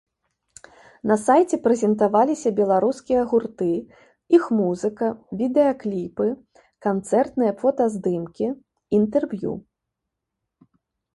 На сайце прэзентаваліся беларускія гурты, іх музыка, відэакліпы, канцэртныя фотаздымкі, інтэрв'ю.